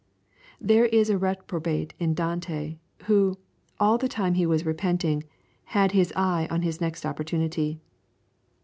There is a reprobate in Dante, who, all the time he was repenting, had his eye on his next opportunity.